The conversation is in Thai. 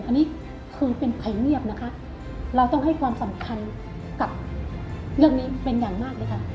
อันนี้คือเป็นภัยเงียบนะคะเราต้องให้ความสำคัญกับเรื่องนี้เป็นอย่างมากเลยค่ะ